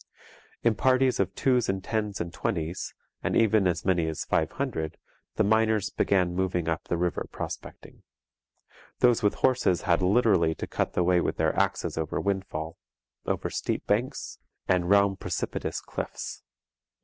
In parties of twos and tens and twenties, and even as many as five hundred, the miners began moving up the river prospecting. Those with horses had literally to cut the way with their axes over windfall, over steep banks, and round precipitous cliffs.